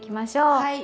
はい。